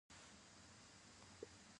په دې وسیله کولای شي کارګر له کاره وباسي